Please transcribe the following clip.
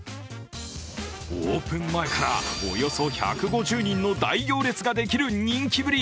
オープン前からおよそ１５０人の大行列ができる人気ぶり。